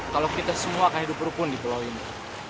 kalau kita semua akan hidup rukun di pulau ini